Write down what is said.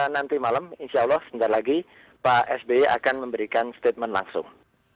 nanti malam insya allah sebentar lagi pak sby akan memberikan statement langsung